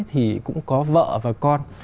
thì cũng có vợ và con